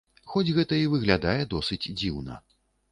Хоць гэта і выглядае досыць дзіўна.